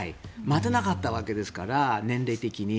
待てなかったわけですから年齢的に。